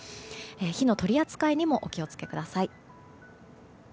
火の取り扱いにもお気を付けください。